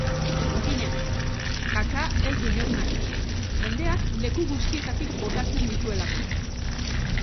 Jakina, kaka ez du inork nahi, jendeak leku guztietatik botatzen dituelako.